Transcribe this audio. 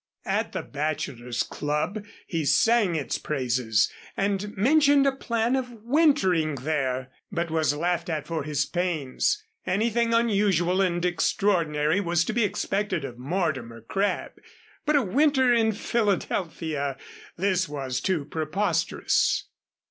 At the Bachelors' Club he sang its praises, and mentioned a plan of wintering there, but was laughed at for his pains. Anything unusual and extraordinary was to be expected of Mortimer Crabb. But a winter in Philadelphia! This was too preposterous.